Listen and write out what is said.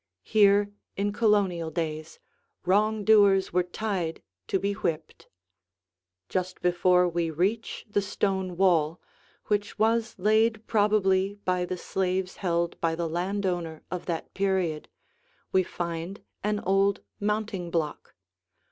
Here, in Colonial days, wrong doers were tied to be whipped. Just before we reach the stone wall, which was laid probably by the slaves held by the landowner of that period, we find an old mounting block.